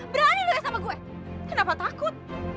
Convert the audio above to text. berani lu ya sama gue kenapa takut